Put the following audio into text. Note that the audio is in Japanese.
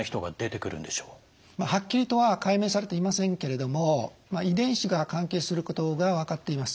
はっきりとは解明されていませんけれども遺伝子が関係することが分かっています。